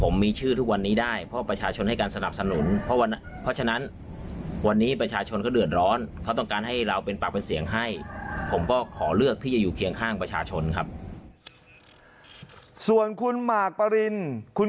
ไม่ผมก็ขอเลือกที่อยู่เคียงข้างประชาชนครับส่วนคุณหมากปรินคุณ